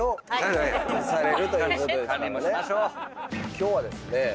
今日はですね